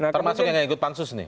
termasuk yang ikut pansus nih